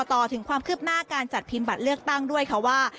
ต่อถึงความคืบหน้าการจัดพิมพ์บัตรเลือกตั้งด้วยค่ะว่า